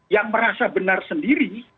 yang merasa benar sendiri